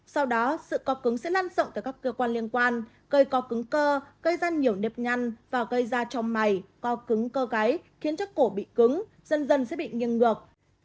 sau đó sự cọp cứng sẽ lan rộng từ các cơ quan liên quan cây co cứng cơ gây ra nhiều nếp nhăn và gây ra trong mày co cứng cơ gáy khiến chất cổ bị cứng dần dần sẽ bị nghiêng ngược